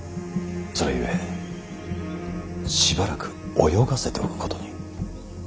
それゆえしばらく泳がせておくことに。